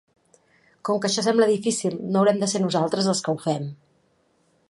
Com que això sembla difícil, no haurem de ser nosaltres els que ho fem.